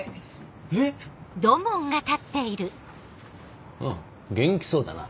えっ⁉うん元気そうだな。